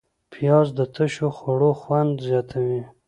پیاز د تشو خوړو خوند زیاتوي